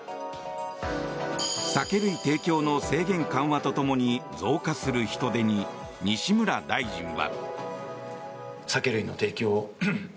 酒類提供の制限緩和とともに増加する人出に西村大臣は。